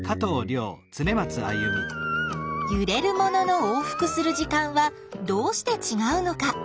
ゆれるものの往復する時間はどうしてちがうのか。